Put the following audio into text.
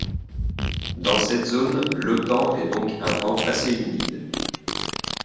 Dans cette zone, l'autan est donc un vent assez humide.